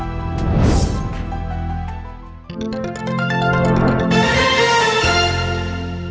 โปรดติดตามตอนต่อไป